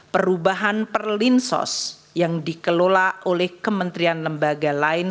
perubahan perlinsos yang dikelola oleh kementerian lembaga lain